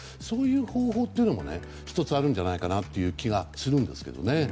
そういう方法というのも１つあるんじゃないかなという気がするんですけどね。